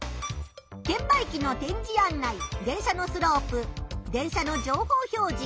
券売機の点字案内電車のスロープ電車の情報表示